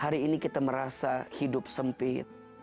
hari ini kita merasa hidup sempit